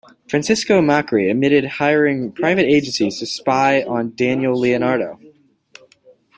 Francisco Macri admitted hiring private agencies to spy on Daniel Leonardo.